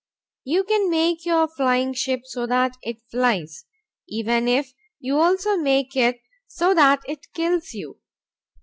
You can make your flying ship so that it flies, even if you also make it so that it kills you.